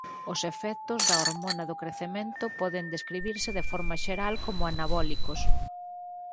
Os efectos da hormona do crecemento poden describirse de forma xeral como anabólicos.